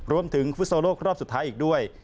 รวมถึงฟุตโซโลกรอบสุดท้ายอีกด้วย